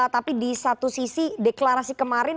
tapi di satu sisi deklarasi kemarin